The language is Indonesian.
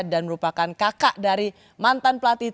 dan merupakan kakak dari mantan pelatih